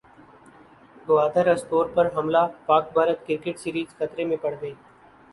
گورداسپور پر حملہ Pak Bharat cricket series خطرے میں پڑگئی